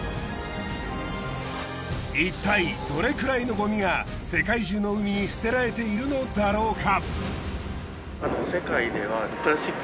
いったいどれくらいのごみが世界中の海に捨てられているのだろうか？